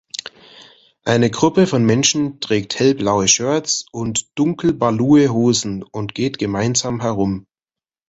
Eine Gruppe von Menschen trägt hellblaue Shirts und dunkelbalue Hosen und geht gemeinsam herum